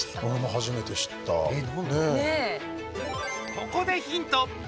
ここでヒント。